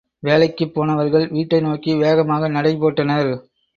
வேலைக்குப் போனவர்கள் வீட்டை நோக்கி வேகமாக நடை போட்டனர்.